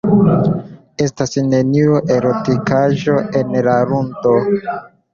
Estas neniu erotikaĵo en la ludo.